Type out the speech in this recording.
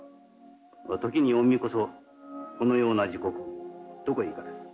時に御身こそこのような時刻どこへ行かれる？